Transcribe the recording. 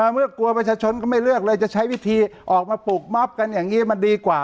เมื่อกลัวประชาชนก็ไม่เลือกเลยจะใช้วิธีออกมาปลูกม็อบกันอย่างนี้มันดีกว่า